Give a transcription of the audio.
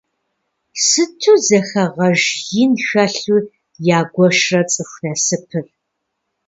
Сыту зэхэгъэж ин хэлъу ягуэшрэ цӏыху насыпыр.